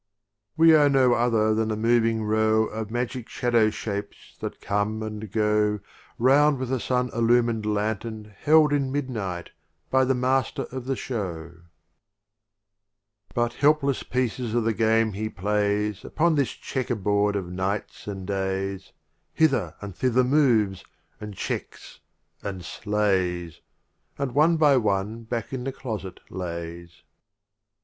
LXVIII. We are no other than a moving row Of Magic Shadow shapes that come and go Round with the Sun illumined Lantern held In Midnight by the Master of the Show; 25 LXIX. Ruba'iyat g ut helpless Pieces of the Game of Omar TT , Khayyam He plays Upon this Chequer board of Nights and Days; Hither and thither moves, and checks, and slays, And one by one back in the Closet lays.